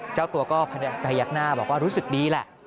เจ้าตัวก็พยักหน้าบอกว่ารู้สึกดีแหละ